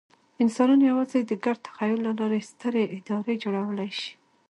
انسانان یواځې د ګډ تخیل له لارې سترې ادارې جوړولی شي.